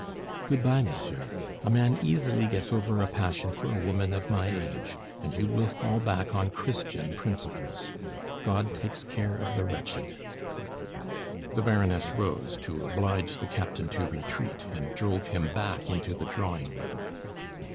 "Good bye, monsieur. A man easily gets over a passion for a woman of my age, and you will fall back on Christian principles. God takes care of the wretched " The Baroness rose to oblige the captain to retreat, and drove him back into the drawing room.